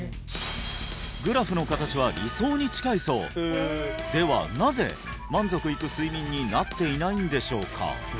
グラフの形は理想に近いそうではなぜ満足いく睡眠になっていないんでしょうか？